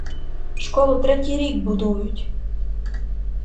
Школу третій рік будують!